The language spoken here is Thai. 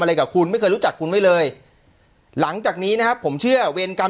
อะไรกับคุณไม่เคยรู้จักคุณไว้เลยหลังจากนี้นะครับผมเชื่อเวรกรรม